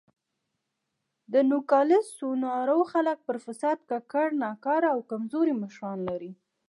د نوګالس سونورا خلک پر فساد ککړ، ناکاره او کمزوري مشران لري.